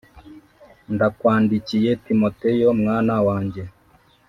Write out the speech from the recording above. ndakwandikiye Timoteyo mwana wanjye